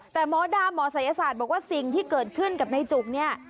แต่หมอดาหมอศัยศาสตร์บอกว่าสิ่งที่เกิดขึ้นกับนายจุกเนี่ย